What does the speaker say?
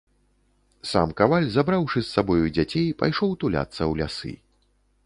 Сам каваль, забраўшы з сабою дзяцей, пайшоў туляцца ў лясы.